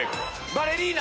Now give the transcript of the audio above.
バレリーナ。